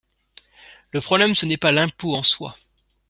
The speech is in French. Le problème, ce n’est pas l’impôt en soi.